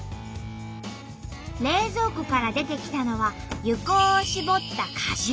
冷蔵庫から出てきたのは柚香を搾った果汁。